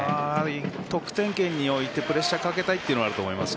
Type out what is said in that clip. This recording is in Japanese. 得点圏に置いてプレッシャーをかけたいというのはあると思います。